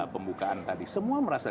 pembukaan tadi semua merasa